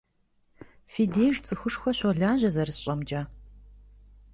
Фи деж цӀыхушхуэ щолажьэ, зэрысщӀэмкӀэ.